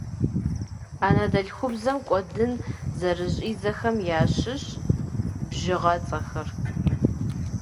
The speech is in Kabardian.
Анэдэлъхубзэм кӏуэдын зэрыщӏидзэхэм ящыщщ бжыгъэцӏэхэр.